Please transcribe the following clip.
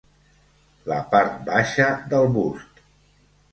La part baixa del bust.